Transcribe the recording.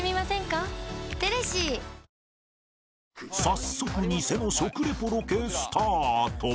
早速ニセの食リポロケスタート